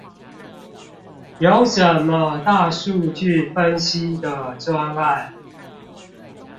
有什麼大數據分析的專案？